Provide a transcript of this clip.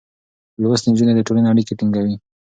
لوستې نجونې د ټولنې اړيکې ټينګوي.